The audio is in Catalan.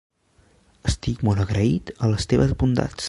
Estic molt agraït a les teves bondats.